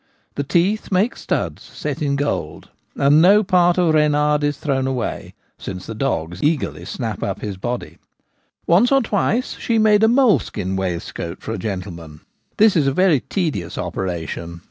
The teeth make studs, set in gold ; and no part of Reynard is thrown away, since the dogs eagerly snap up his body. Once or twice she has made a moleskin waistcoat for a gentleman. This is a very tedious operation.